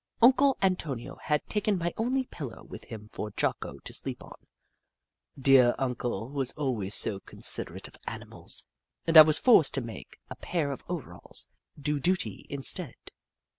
Uncle Antonio had taken my only pillow with him for Jocko to sleep on— dear Uncle was always so consider ate of animals !— and I was forced to make a pair of overalls do duty instead.